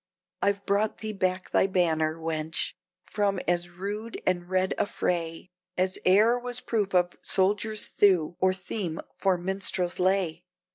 "I've brought thee back thy banner, wench, from as rude and red a fray, As e'er was proof of soldier's thew or theme for minstrel's lay!